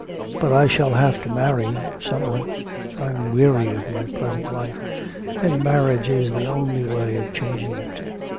But I shall have to marry some one.... I'm weary of my present life, and marriage is the only way of changing it.